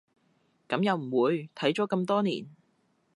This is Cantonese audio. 噉又唔會，睇咗咁多年